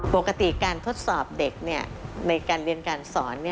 ปกติการทดสอบเด็กในการเรียนการสอน